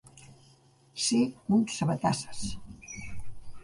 Ser un sabatasses.